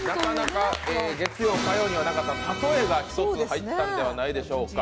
月曜、火曜にはなかった例えが１つ入ったんではないでしょうか。